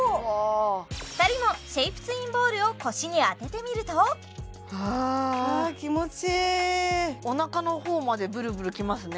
２人もシェイプツインボールを腰に当ててみるとお腹のほうまでブルブルきますね